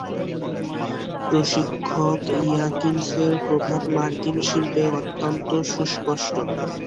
প্রশিক্ষক এয়াকিনসের প্রভাব মার্কিন শিল্পে অত্যন্ত সুস্পষ্ট।